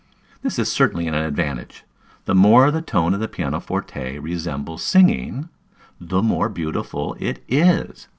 This is certainly an advantage; the more the tone of the piano forte resembles singing, the more beautiful it is.